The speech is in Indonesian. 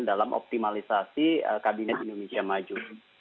dalam optimalisasi kabinet indonesia maju